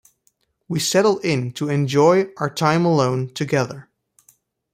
We settled in to enjoy our time alone together.